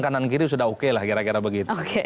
kanan kiri sudah oke lah kira kira begitu